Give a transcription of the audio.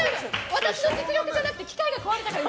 私の実力じゃなくて機械が壊れたから。